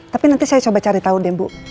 tapi nanti saya coba cari tahu deh bu